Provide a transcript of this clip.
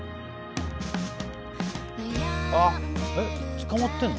捕まってるの？